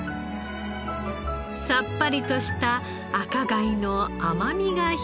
さっぱりとした赤貝の甘みが広がるひと皿。